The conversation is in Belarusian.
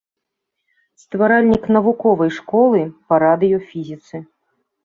Стваральнік навуковай школы па радыёфізіцы.